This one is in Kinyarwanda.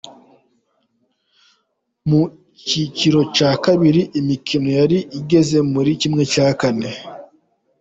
Mu cyiciro cya kabiri, imikino yari igeze muri ¼.